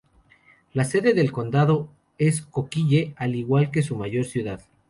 La sede del condado es Coquille, al igual que su mayor ciudad.